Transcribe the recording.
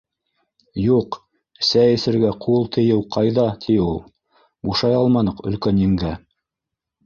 — Юҡ, сәй эсергә ҡул тейеү ҡайҙа ти ул. Бушай алманыҡ, өлкән еңгә.